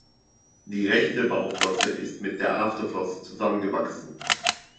Die rechte Bauchflosse ist mit der Afterflosse zusammengewachsen.